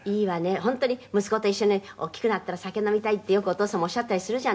「本当に息子と一緒に大きくなったら酒飲みたいってよくお父様おっしゃったりするじゃない」